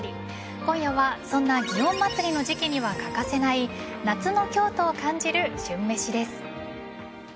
今夜はそんな祇園祭の時期には欠かせない夏の京都を感じる旬めしです。